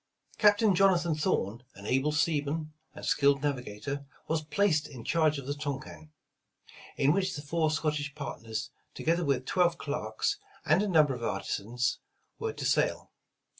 Captain Jonathan Thorn, an able seaman and skilled navigator, was placed in charge of the Tonquin, in which the four Scottish partners, together with twelve clerks, and a number of artisans, were to sail.